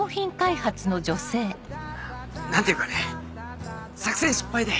何ていうかね作戦失敗で。